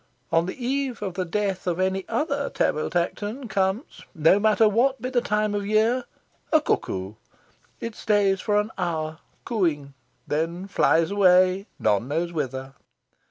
On the eve of the death of any other Tanville Tankerton, comes (no matter what be the time of year) a cuckoo. It stays for an hour, cooing, then flies away, none knows whither.